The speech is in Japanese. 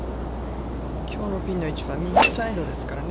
きょうのピンの位置は右サイドですからね。